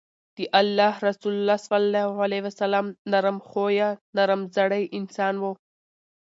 د الله رسول صلی الله عليه وسلّم نرم خويه، نرم زړی انسان وو